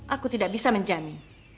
aku tidak bisa menjagamu